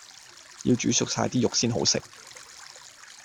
要煮熟晒啲肉先好食